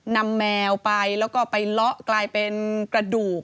แมวไปแล้วก็ไปเลาะกลายเป็นกระดูก